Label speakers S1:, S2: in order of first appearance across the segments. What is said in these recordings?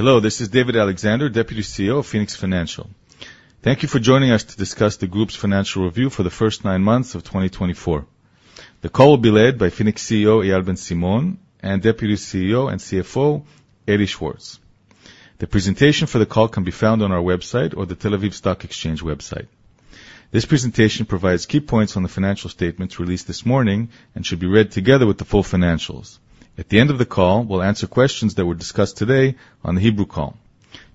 S1: Hello, this is David Alexander, Deputy CEO of Phoenix Financial. Thank you for joining us to discuss the group's financial review for the first nine months of 2024. The call will be led by Phoenix CEO Eyal Ben-Simon and Deputy CEO and CFO Eli Schwartz. The presentation for the call can be found on our website or the Tel Aviv Stock Exchange website. This presentation provides key points on the financial statements released this morning and should be read together with the full financials. At the end of the call, we will answer questions that were discussed today on the Hebrew call.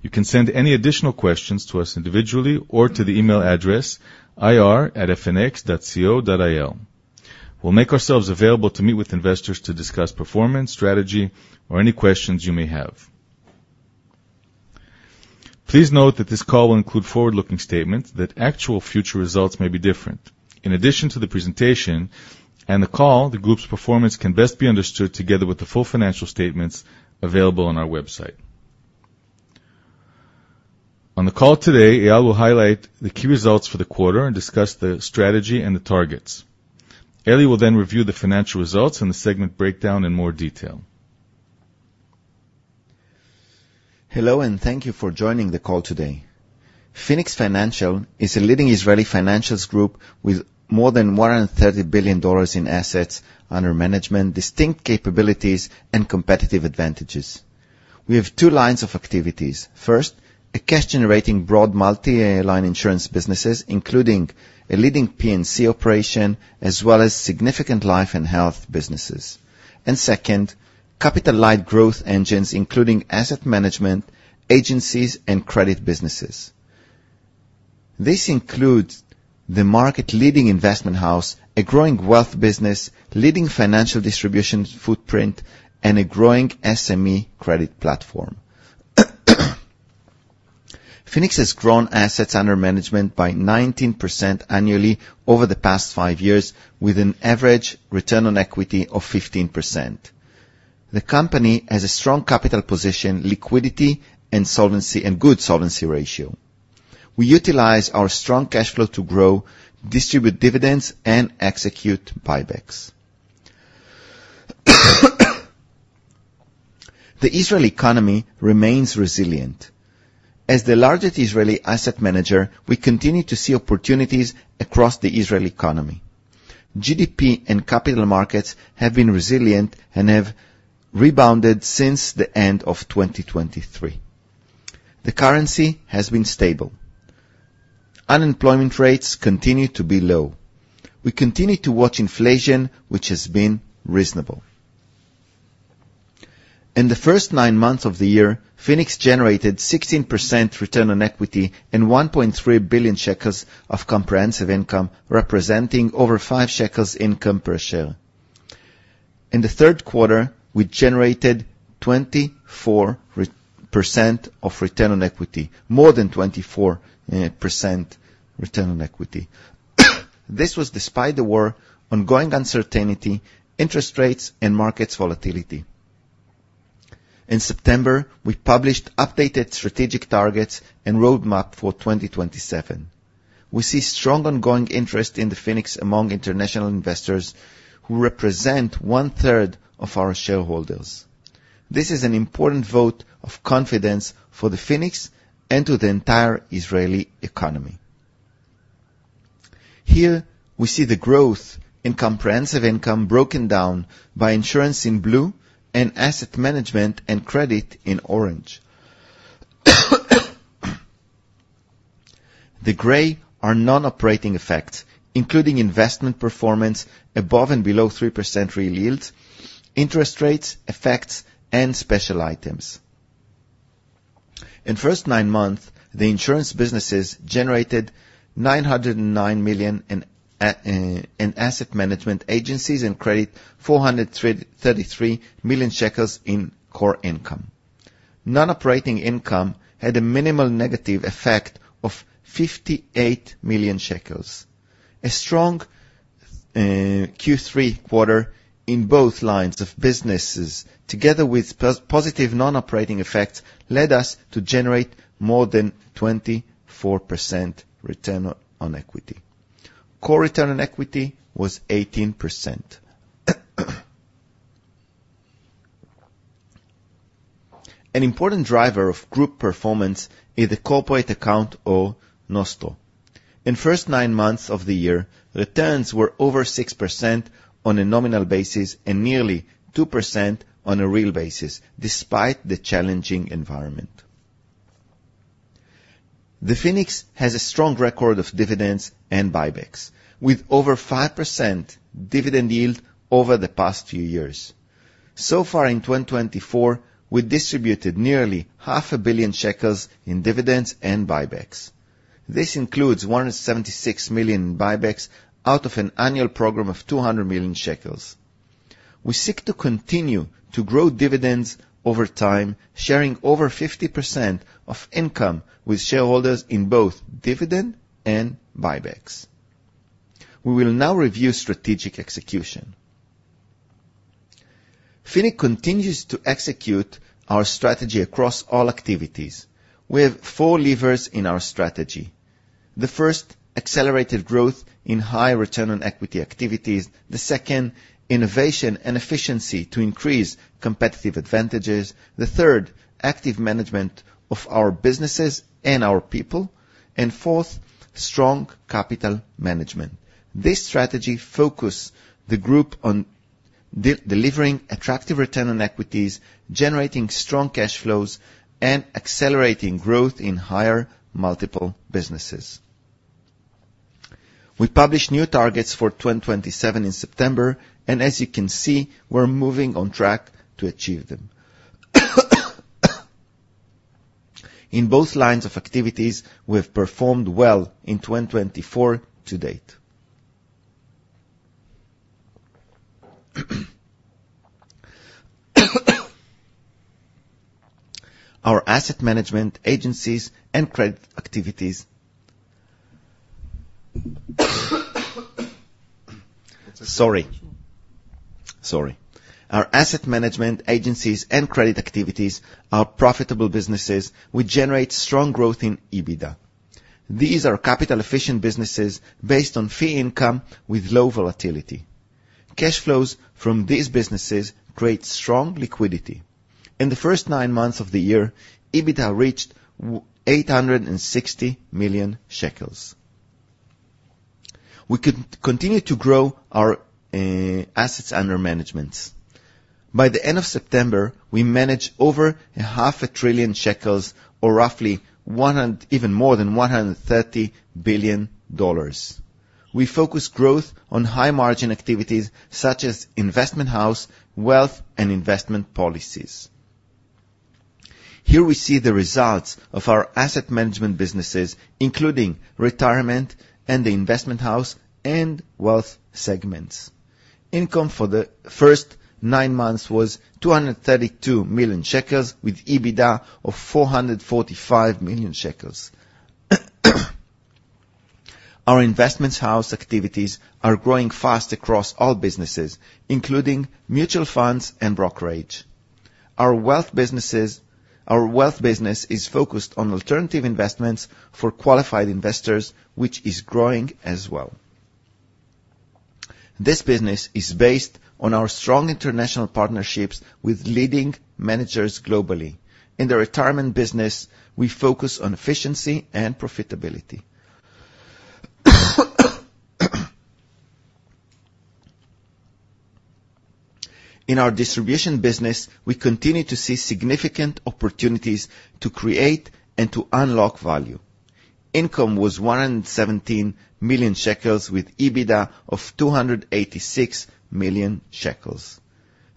S1: You can send any additional questions to us individually or to the email address ir@fnx.co.il. We will make ourselves available to meet with investors to discuss performance, strategy, or any questions you may have. Please note that this call will include forward-looking statements that actual future results may be different. In addition to the presentation and the call, the group's performance can best be understood together with the full financial statements available on our website. On the call today, Eyal will highlight the key results for the quarter and discuss the strategy and the targets. Eli will then review the financial results and the segment breakdown in more detail.
S2: Hello, and thank you for joining the call today. Phoenix Financial is a leading Israeli financials group with more than $130 billion in assets under management, distinct capabilities, and competitive advantages. We have two lines of activities. First, a cash-generating broad multi-line insurance businesses, including a leading P&C operation, as well as significant life and health businesses. Second, capital-light growth engines including asset management, agencies, and credit businesses. This includes the market-leading investment house, a growing wealth business, leading financial distribution footprint, and a growing SME credit platform. Phoenix has grown assets under management by 19% annually over the past five years with an average return on equity of 15%. The company has a strong capital position, liquidity and solvency, and good solvency ratio. We utilize our strong cash flow to grow, distribute dividends, and execute buybacks. The Israeli economy remains resilient. As the largest Israeli asset manager, we continue to see opportunities across the Israeli economy. GDP and capital markets have been resilient and have rebounded since the end of 2023. The currency has been stable. Unemployment rates continue to be low. We continue to watch inflation, which has been reasonable. In the first nine months of the year, Phoenix generated 16% return on equity and 1.3 billion shekels of comprehensive income, representing over 5 shekels income per share. In the third quarter, we generated more than 24% return on equity. This was despite the war, ongoing uncertainty, interest rates, and market volatility. In September, we published updated strategic targets and roadmap for 2027. We see strong ongoing interest in the Phoenix among international investors, who represent one-third of our shareholders. This is an important vote of confidence for the Phoenix and to the entire Israeli economy. Here, we see the growth in comprehensive income broken down by insurance in blue and asset management and credit in orange. The gray are non-operating effects, including investment performance above and below 3% real yields, interest rates, effects, and special items. In the first nine months, the insurance businesses generated 909 million in asset management agencies and credit 433 million shekels in core income. Non-operating income had a minimal negative effect of 58 million shekels. A strong Q3 quarter in both lines of businesses, together with positive non-operating effects, led us to generate more than 24% return on equity. Core return on equity was 18%. An important driver of group performance is the corporate account or Nostro. In the first nine months of the year, returns were over 6% on a nominal basis and nearly 2% on a real basis, despite the challenging environment. Phoenix has a strong record of dividends and buybacks, with over 5% dividend yield over the past few years. So far in 2024, we distributed nearly 500 million shekels in dividends and buybacks. This includes 176 million in buybacks out of an annual program of 200 million shekels. We seek to continue to grow dividends over time, sharing over 50% of income with shareholders in both dividend and buybacks. We will now review strategic execution. Phoenix continues to execute our strategy across all activities. We have four levers in our strategy. The first, accelerated growth in high return on equity activities. The second, innovation and efficiency to increase competitive advantages. The third, active management of our businesses and our people. Fourth, strong capital management. This strategy focus the group on delivering attractive return on equities, generating strong cash flows, and accelerating growth in higher multiple businesses. We published new targets for 2027 in September, and as you can see, we're moving on track to achieve them. In both lines of activities, we have performed well in 2024 to date. Our asset management agencies and credit activities are profitable businesses which generate strong growth in EBITDA. These are capital-efficient businesses based on fee income with low volatility. Cash flows from these businesses create strong liquidity. In the first nine months of the year, EBITDA reached 860 million shekels. We could continue to grow our assets under management. By the end of September, we managed over a 500 billion shekels or roughly even more than $130 billion. We focus growth on high-margin activities such as investment house, wealth, and investment policies. Here we see the results of our asset management businesses, including retirement and the investment house and wealth segments. Income for the first nine months was 232 million shekels, with EBITDA of 445 million shekels. Our investment house activities are growing fast across all businesses, including mutual funds and brokerage. Our wealth business is focused on alternative investments for qualified investors, which is growing as well. This business is based on our strong international partnerships with leading managers globally. In the retirement business, we focus on efficiency and profitability. In our distribution business, we continue to see significant opportunities to create and to unlock value. Income was 117 million shekels with EBITDA of 286 million shekels.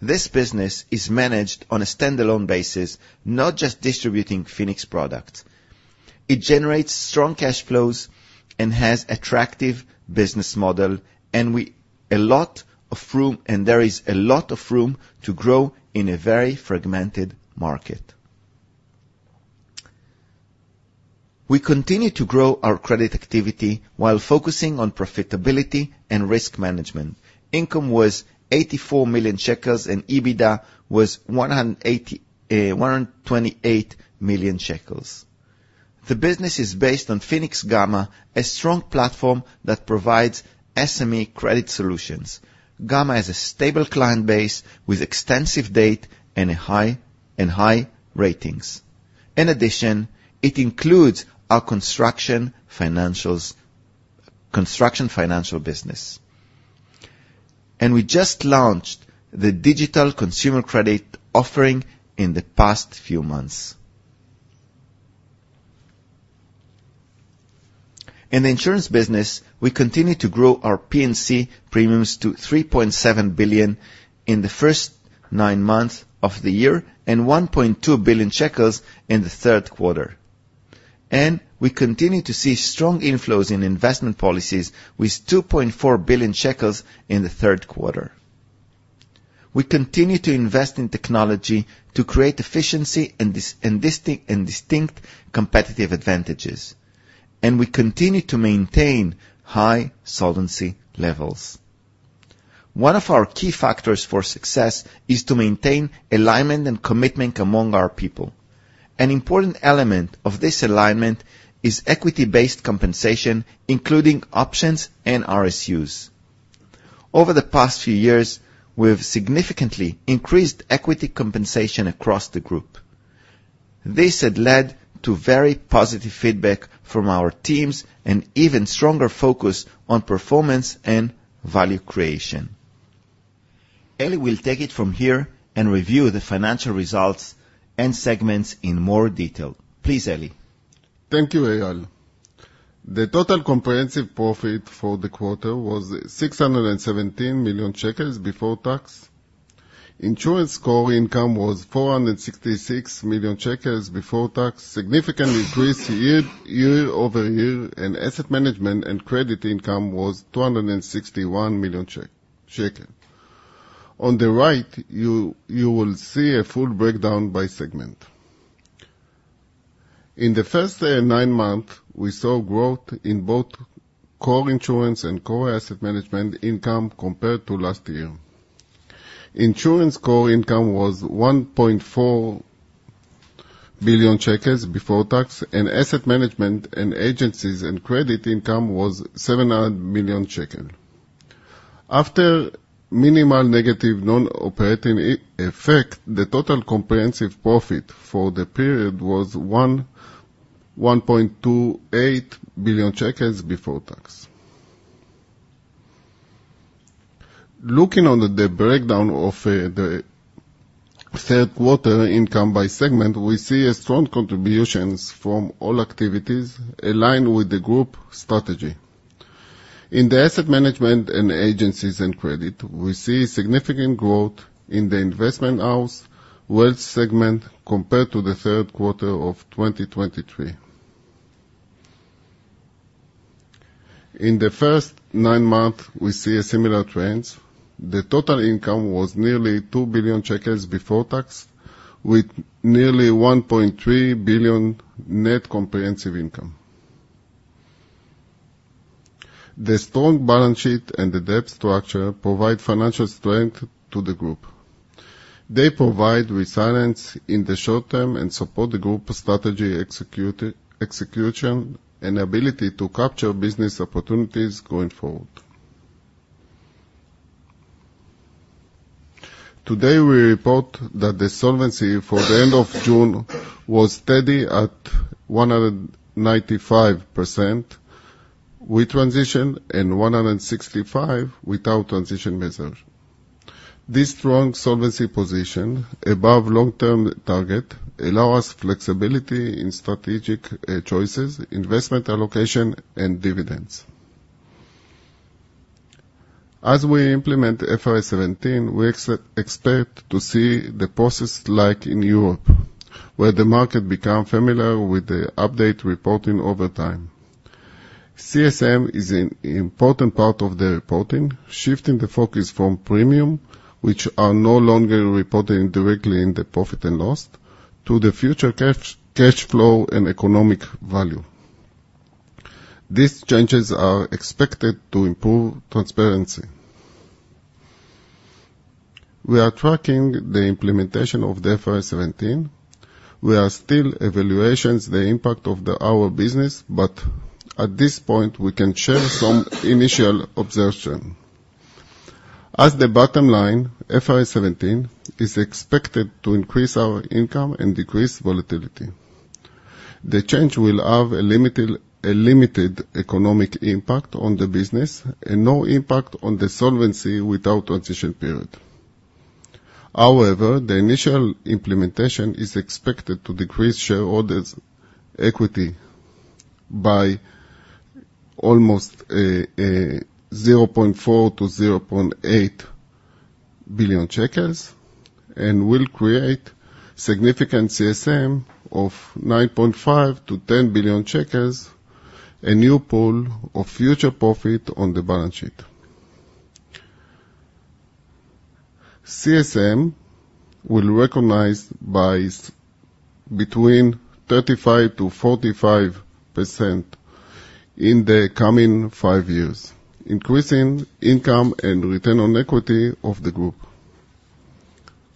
S2: This business is managed on a standalone basis, not just distributing Phoenix products. It generates strong cash flows and has an attractive business model. There is a lot of room to grow in a very fragmented market. We continue to grow our credit activity while focusing on profitability and risk management. Income was 84 million shekels and EBITDA was 128 million shekels. The business is based on Phoenix-Gama, a strong platform that provides SME credit solutions. Gama has a stable client base with extensive data and high ratings. In addition, it includes our construction financial business. We just launched the digital consumer credit offering in the past few months. In the insurance business, we continue to grow our P&C premiums to 3.7 billion in the first nine months of the year and 1.2 billion shekels in the third quarter. We continue to see strong inflows in investment policies with 2.4 billion shekels in the third quarter. We continue to invest in technology to create efficiency and distinct competitive advantages. We continue to maintain high solvency levels. One of our key factors for success is to maintain alignment and commitment among our people. An important element of this alignment is equity-based compensation, including options and RSUs. Over the past few years, we've significantly increased equity compensation across the group. This had led to very positive feedback from our teams and even stronger focus on performance and value creation. Eli will take it from here and review the financial results and segments in more detail. Please, Eli.
S3: Thank you, Eyal. The total comprehensive profit for the quarter was 617 million shekels before tax. Insurance core income was 466 million shekels before tax, significantly increased year-over-year. Asset management and credit income was 261 million shekel. On the right, you will see a full breakdown by segment. In the first nine months, we saw growth in both core insurance and core asset management income compared to last year. Insurance core income was 1.4 billion shekels before tax. Asset management and agencies and credit income was 700 million shekels. After minimal negative non-operating effect, the total comprehensive profit for the period was 1.28 billion shekels before tax. Looking on the breakdown of the third quarter income by segment, we see strong contributions from all activities aligned with the group strategy. In the asset management and agencies and credit, we see significant growth in the investment house wealth segment compared to the third quarter of 2023. In the first nine months, we see similar trends. The total income was nearly 2 billion shekels before tax, with nearly 1.3 billion net comprehensive income. The strong balance sheet and the debt structure provide financial strength to the group. They provide resilience in the short term and support the group strategy execution, and ability to capture business opportunities going forward. Today, we report that the solvency for the end of June was steady at 195% with transition and 165% without transition measure. This strong solvency position above long-term target allow us flexibility in strategic choices, investment allocation, and dividends. As we implement IFRS 17, we expect to see the process like in Europe, where the market become familiar with the update reporting over time. CSM is an important part of the reporting, shifting the focus from premium, which are no longer reported directly in the profit and loss, to the future cash flow and economic value. These changes are expected to improve transparency. We are tracking the implementation of the IFRS 17. We are still evaluating the impact of our business, but at this point, we can share some initial observation. As the bottom line, IFRS 17 is expected to increase our income and decrease volatility. The change will have a limited economic impact on the business and no impact on the solvency without transition period. However, the initial implementation is expected to decrease shareholders' equity by almost 0.4 billion-0.8 billion shekels and will create significant CSM of 9.5 billion-10 billion shekels, a new pool of future profit on the balance sheet. CSM will recognize between 35%-45% in the coming five years, increasing income and return on equity of the group.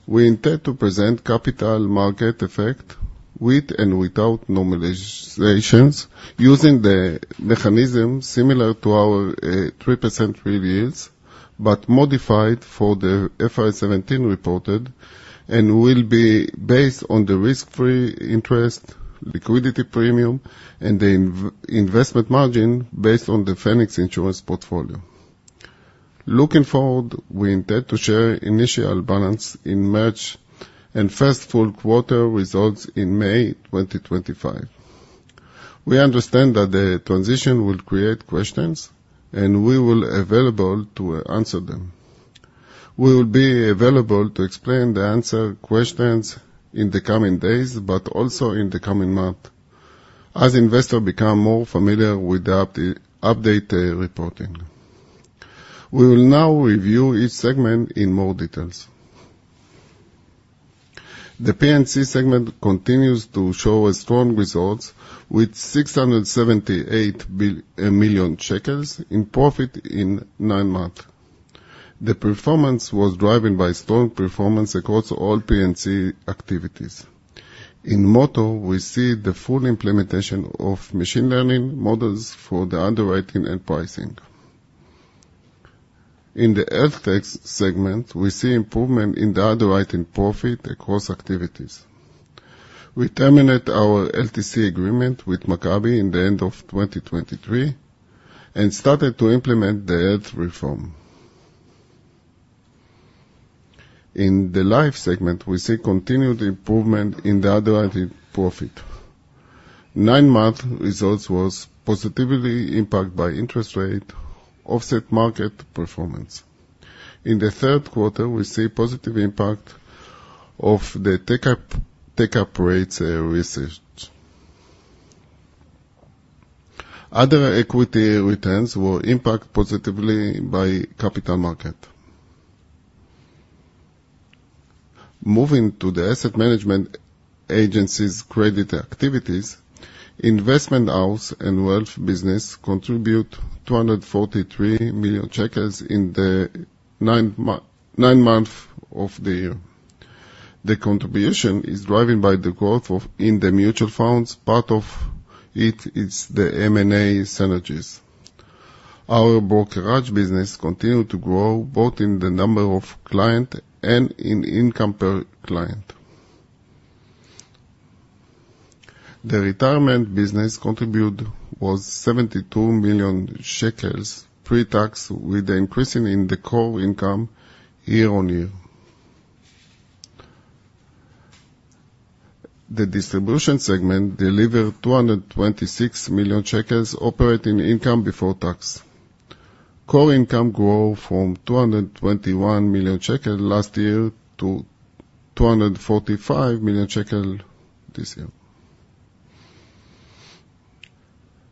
S3: We intend to present capital market effect with and without normalizations using the mechanism similar to our 3% reviews, but modified for the IFRS 17 reported and will be based on the risk-free interest, liquidity premium, and the investment margin based on the Phoenix Insurance portfolio. Looking forward, we intend to share initial balance in March and first full quarter results in May 2025. We understand that the transition will create questions. We will be available to answer them. We will be available to explain and answer questions in the coming days, but also in the coming month as investors become more familiar with the updated reporting. We will now review each segment in more details. The P&C segment continues to show a strong result with 678 million shekels in profit in nine months. The performance was driven by strong performance across all P&C activities. In motor, we see the full implementation of machine learning models for the underwriting and pricing. In the health tech segment, we see improvement in the underwriting profit across activities. We terminate our LTC agreement with Maccabi in the end of 2023 and started to implement the health reform. In the life segment, we see continued improvement in the underwriting profit. Nine-month results was positively impacted by interest rate offset market performance. In the third quarter, we see positive impact of the take-up rates researched. Other equity returns were impacted positively by capital market. Moving to the asset management agencies credit activities, investment house and wealth business contribute 243 million shekels in the nine month of the year. The contribution is driven by the growth in the mutual funds. Part of it is the M&A synergies. Our brokerage business continued to grow both in the number of client and in income per client. The retirement business contribute was 72 million shekels pre-tax with the increasing in the core income year-on-year. The distribution segment delivered 226 million shekels operating income before tax. Core income grow from 221 million shekels last year to 245 million shekels this year.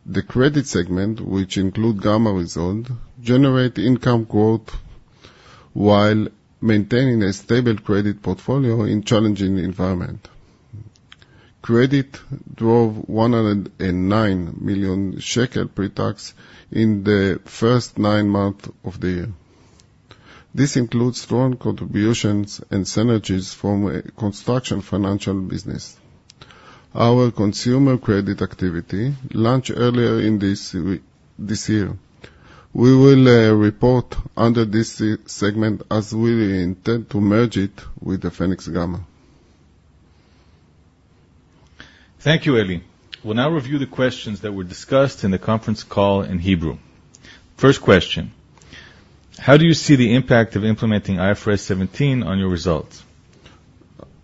S3: The credit segment, which include Phoenix-Gama, generate income growth while maintaining a stable credit portfolio in challenging environment. Credit drove 109 million shekel pre-tax in the first nine month of the year. This includes strong contributions and synergies from a construction financial business. Our consumer credit activity launched earlier in this year. We will report under this segment as we intend to merge it with the Phoenix-Gama.
S1: Thank you, Eli. We'll now review the questions that were discussed in the conference call in Hebrew. First question, how do you see the impact of implementing IFRS 17 on your results?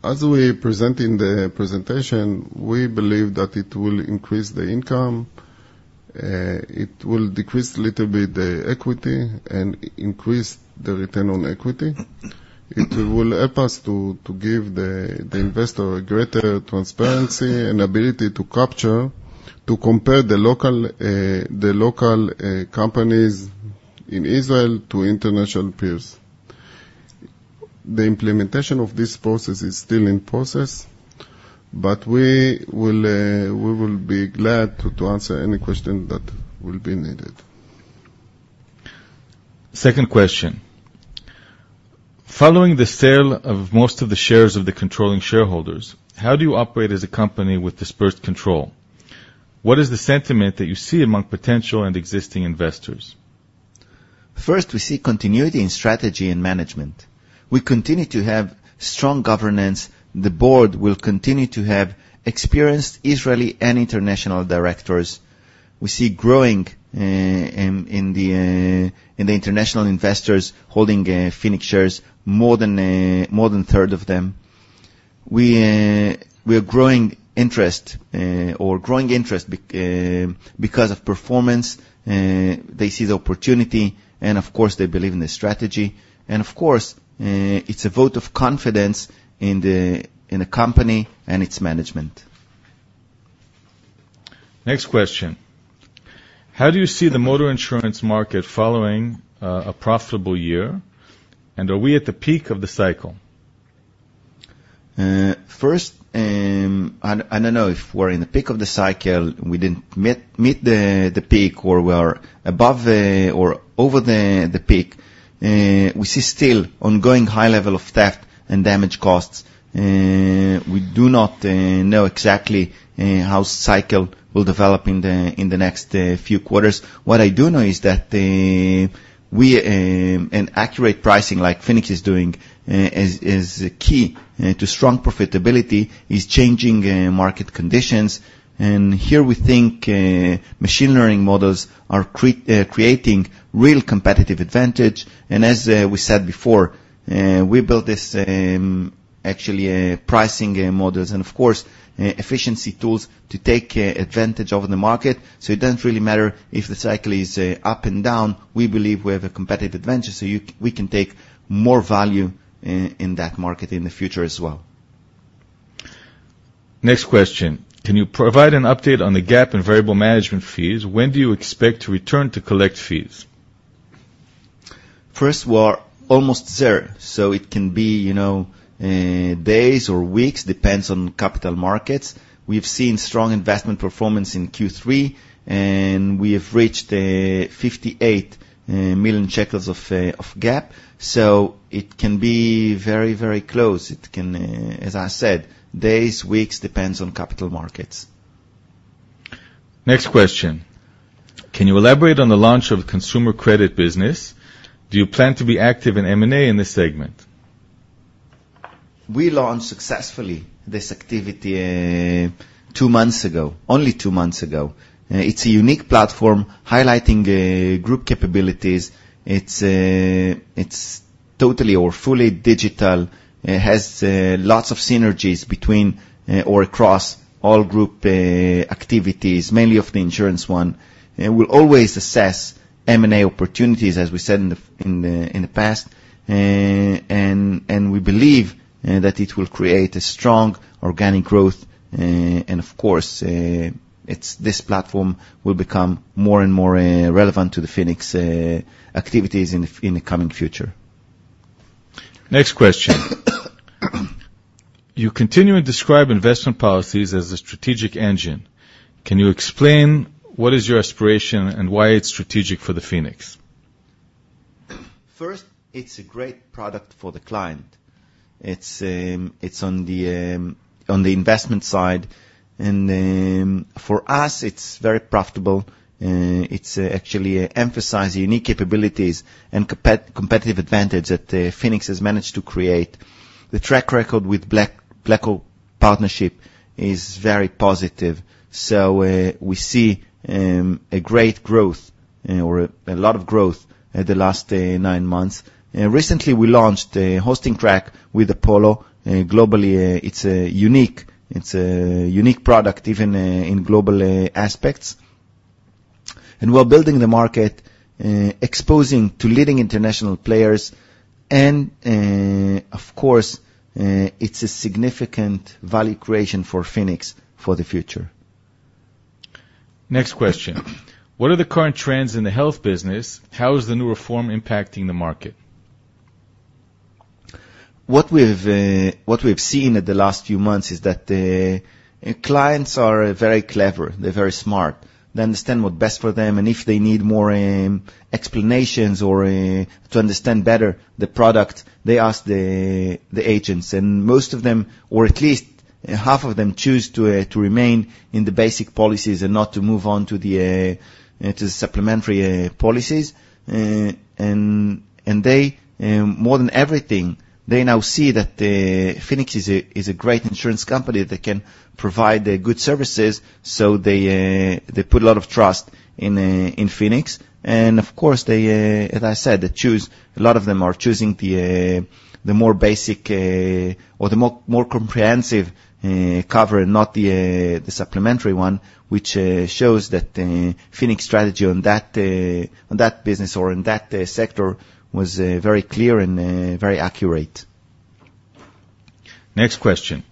S3: As we present in the presentation, we believe that it will increase the income, it will decrease little bit the equity, and increase the return on equity. It will help us to give the investor a greater transparency and ability to capture, to compare the local companies in Israel to international peers. The implementation of this process is still in process. We will be glad to answer any question that will be needed.
S1: Second question. Following the sale of most of the shares of the controlling shareholders, how do you operate as a company with dispersed control? What is the sentiment that you see among potential and existing investors?
S2: First, we see continuity in strategy and management. We continue to have strong governance. The board will continue to have experienced Israeli and international directors. We see growing in the international investors holding Phoenix shares, more than a third of them. We are growing interest, or growing interest because of performance. They see the opportunity and of course, they believe in the strategy. Of course, it's a vote of confidence in the company and its management.
S1: Next question. How do you see the motor insurance market following a profitable year? Are we at the peak of the cycle?
S2: First, I don't know if we're in the peak of the cycle. We didn't meet the peak, or we are above or over the peak. We see still ongoing high level of theft and damage costs. We do not know exactly how cycle will develop in the next few quarters. What I do know is that an accurate pricing like Phoenix is doing is key to strong profitability, is changing market conditions. Here we think machine learning models are creating real competitive advantage. As we said before, we built this actuarial pricing models and of course, efficiency tools to take advantage of the market. It doesn't really matter if the cycle is up and down. We believe we have a competitive advantage, so we can take more value in that market in the future as well.
S1: Next question. Can you provide an update on the gap in variable management fees? When do you expect to return to collect fees?
S2: First, we are almost there, so it can be days or weeks, depends on capital markets. We've seen strong investment performance in Q3, and we have reached 58 million shekels of gap, so it can be very close. It can, as I said, days, weeks, depends on capital markets.
S1: Next question. Can you elaborate on the launch of consumer credit business? Do you plan to be active in M&A in this segment?
S2: We launched successfully this activity two months ago, only two months ago. It's a unique platform highlighting group capabilities. It's totally or fully digital. It has lots of synergies between or across all group activities, mainly of the insurance one. We'll always assess M&A opportunities, as we said in the past, and we believe that it will create a strong organic growth. Of course, this platform will become more and more relevant to the Phoenix activities in the coming future.
S1: Next question. You continue to describe investment policies as a strategic engine. Can you explain what is your aspiration and why it's strategic for the Phoenix?
S2: First, it's a great product for the client. It's on the investment side. For us, it's very profitable. It actually emphasizes unique capabilities and competitive advantage that Phoenix has managed to create. The track record with BlackRock partnership is very positive. We see a great growth or a lot of growth at the last nine months. Recently, we launched a hosting track with Apollo globally. It's a unique product even in global aspects. We're building the market, exposing to leading international players, and of course, it's a significant value creation for Phoenix for the future.
S1: Next question. What are the current trends in the health business? How is the new reform impacting the market?
S2: What we've seen at the last few months is that clients are very clever, they're very smart. They understand what's best for them, and if they need more explanations or to understand better the product, they ask the agents. Most of them, or at least half of them, choose to remain in the basic policies and not to move on to the supplementary policies. They, more than everything, they now see that Phoenix is a great insurance company that can provide good services. They put a lot of trust in Phoenix. Of course, as I said, a lot of them are choosing the more basic or the more comprehensive cover, not the supplementary one, which shows that Phoenix strategy on that business or in that sector was very clear and very accurate.
S1: Next question.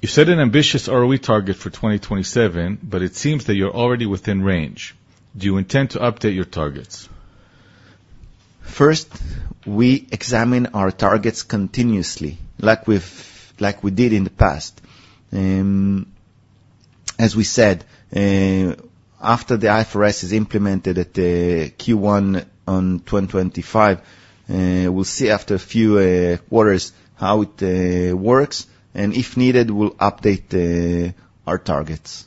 S1: You set an ambitious ROE target for 2027, but it seems that you're already within range. Do you intend to update your targets?
S2: First, we examine our targets continuously like we did in the past. As we said, after the IFRS is implemented at Q1 on 2025, we'll see after a few quarters how it works, and if needed, we'll update our targets.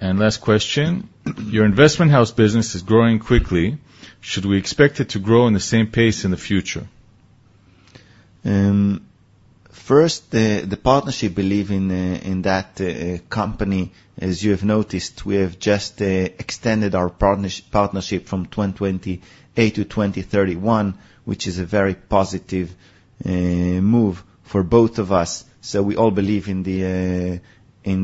S1: Last question. Your investment house business is growing quickly. Should we expect it to grow in the same pace in the future?
S2: First, the partnership believe in that company, as you have noticed, we have just extended our partnership from 2028 to 2031, which is a very positive move for both of us. We all believe in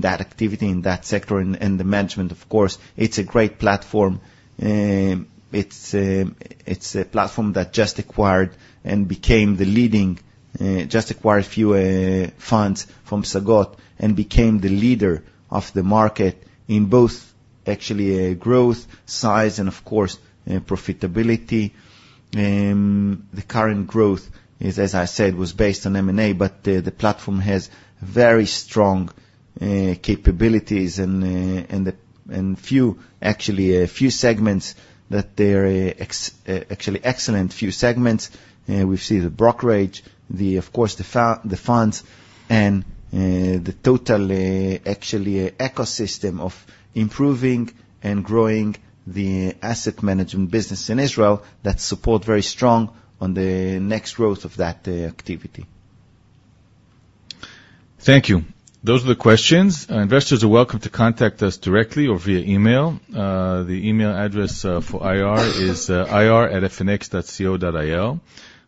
S2: that activity, in that sector, and the management, of course. It's a great platform. It's a platform that just acquired a few funds from Psagot and became the leader of the market in both actually growth, size, and of course, profitability. The current growth is, as I said, was based on M&A. The platform has very strong capabilities and actually a few segments that they're actually excellent. We see the brokerage, of course, the funds, and the total actually ecosystem of improving and growing the asset management business in Israel that support very strong on the next growth of that activity.
S1: Thank you. Those are the questions. Investors are welcome to contact us directly or via email. The email address for IR is ir@fnx.co.il.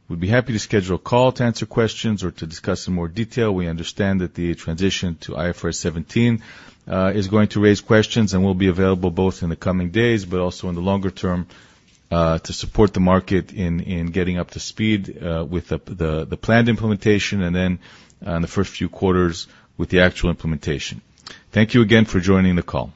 S1: We'd be happy to schedule a call to answer questions or to discuss in more detail. We understand that the transition to IFRS 17 is going to raise questions, and we'll be available both in the coming days but also in the longer term, to support the market in getting up to speed with the planned implementation and then on the first few quarters with the actual implementation. Thank you again for joining the call.